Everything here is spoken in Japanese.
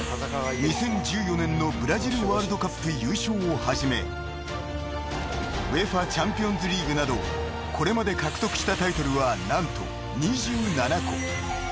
［２０１４年のブラジルワールドカップ優勝をはじめＵＥＦＡチャンピオンズリーグなどこれまで獲得したタイトルは何と２７個］